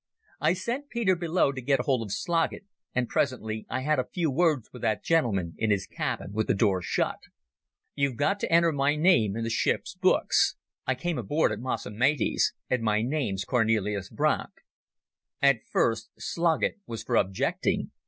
I sent Peter below to get hold of Sloggett, and presently I had a few words with that gentleman in his cabin with the door shut. "You've got to enter my name in the ship's books. I came aboard at Mossamedes. And my name's Cornelis Brandt." At first Sloggett was for objecting.